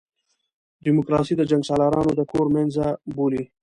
ډیموکراسي د جنګسالارانو د کور مېنځه بولي.